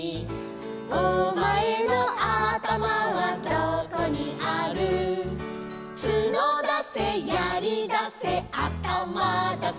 「お前のあたまはどこにある」「角だせやりだせあたまだせ」